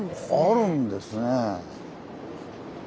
あるんですね。